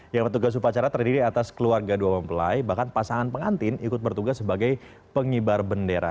yang petugas upacara terdiri atas keluarga dua mempelai bahkan pasangan pengantin ikut bertugas sebagai pengibar bendera